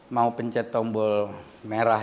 mau pencet tombol merah